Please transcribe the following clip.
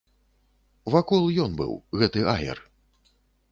Вакол ён быў, гэты аер.